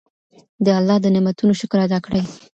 د الله د نعمتونو شکر ادا کړئ.